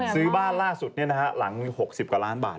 สืบ้านล่าสุดเนี่ยนะหรือหลัง๖๐กว่าล้านบาท